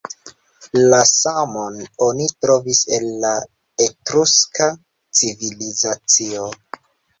La samon oni trovis en la Etruska civilizacio.